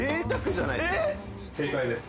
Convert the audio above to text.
正解です。